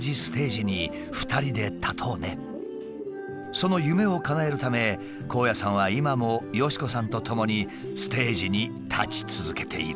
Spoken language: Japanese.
その夢をかなえるため公也さんは今も敏子さんとともにステージに立ち続けている。